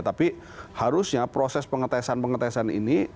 tapi harusnya proses pengetesan pengetesan ini